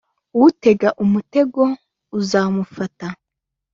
utega umutego uzamufata.